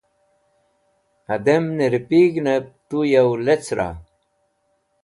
Hadẽm nẽripig̃hnẽb tu yo lecra?